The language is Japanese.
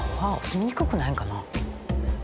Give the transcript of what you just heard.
住みにくくないんかな？